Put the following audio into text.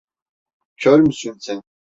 Kör müsün sen?